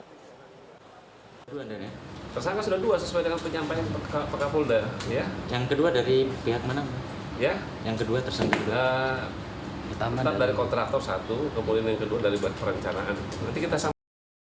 kontraktor satu kemungkinan yang kedua dari perencanaan